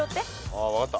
ああ分かった。